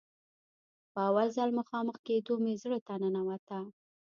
په اول ځل مخامخ کېدو مې زړه ته ننوته.